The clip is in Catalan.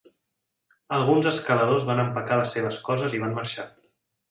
Alguns escaladors van empacar les seves coses i van marxar.